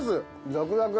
ザクザク？